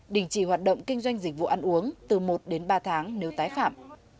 đình chỉ hoạt động kinh doanh dịch vụ ăn uống từ một đến ba tháng nếu tái phạm